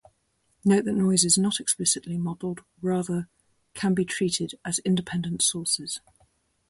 Note that noise is not explicitly modeled, rather, can be treated as independent sources.